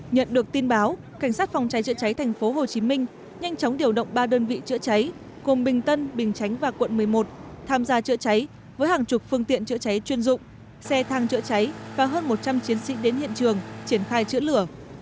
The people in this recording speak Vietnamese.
nhận được tin báo cảnh sát phòng cháy chữa cháy tp hcm nhanh chóng điều động ba đơn vị chữa cháy gồm bình tân bình chánh và quận một mươi một tham gia chữa cháy với hàng chục phương tiện chữa cháy chuyên dụng xe thang chữa cháy và hơn một trăm linh chiến sĩ đến hiện trường triển khai chữa lửa